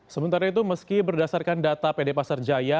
sementara itu meski berdasarkan data pd pasar jaya